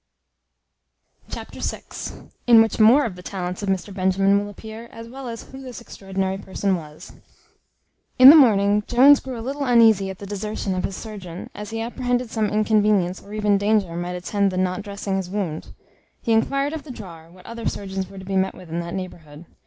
Chapter vi. In which more of the talents of Mr Benjamin will appear, as well as who this extraordinary person was. In the morning Jones grew a little uneasy at the desertion of his surgeon, as he apprehended some inconvenience, or even danger, might attend the not dressing his wound; he enquired of the drawer, what other surgeons were to be met with in that neighbourhood.